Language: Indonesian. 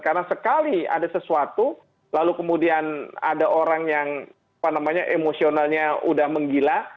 karena sekali ada sesuatu lalu kemudian ada orang yang apa namanya emosionalnya sudah menggila